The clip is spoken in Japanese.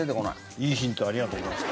いいヒントありがとうございました。